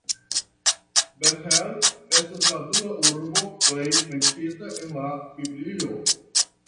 Bet-El estas la dua urbo plej menciita en la Biblio.